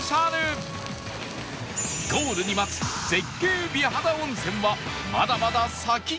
ゴールに待つ絶景美肌温泉はまだまだ先